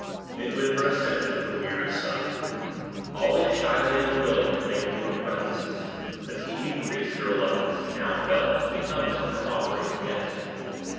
Midwinter assented with a weary sigh. Always shyly unwilling to make new acquaintances, fatigue increased the reluctance he now felt to become Mr. Hawbury's guest.